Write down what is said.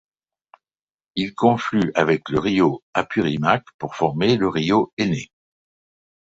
Il conflue avec le río Apurímac pour former le río Ene.